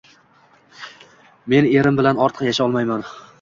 Men erim bilan ortiq yashayolmayman